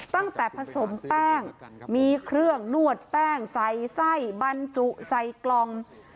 ตั้งแต่ผสมแป้งมีเครื่องนวดแป้งใส่ไส้บรรจุใส่กล่อง